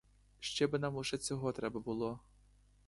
Ще би нам лише цього треба було.